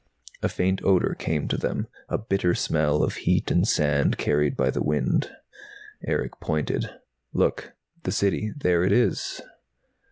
A faint odor came to them, a bitter smell of heat and sand, carried by the wind. Erick pointed. "Look. The City There it is."